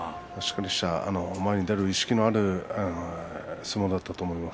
前に出る意識のある相撲だったと思います。